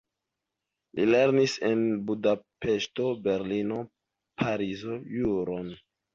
Li lernis en Budapeŝto, Berlino, Parizo juron.